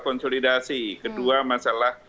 konsolidasi kedua masalah